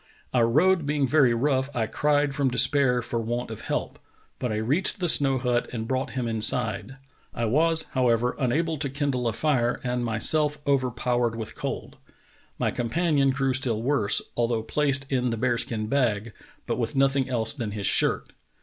"Our road being very rough, I cried from despair for want of help; but I reached the snow hut and brought him inside. I was, however, unable to kindle a lire and was myself overpowered with cold. My companion grew still worse, although placed in the bear skin bag, but with nothing else than his shirt.